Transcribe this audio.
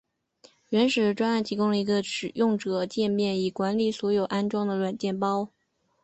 原始的专案提供了一个使用者介面以管理所有已安装的软体包。